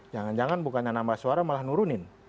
jangan jangan bukannya nambah suara malah nurunin